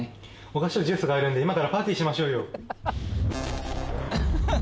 お菓子とジュースがあるんで今からパーティーしましょうよ！